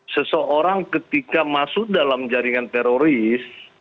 seseorang ketika masuk dalam jaringan teroris